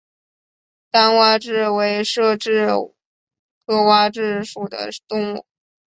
单蛙蛭为舌蛭科蛙蛭属的动物。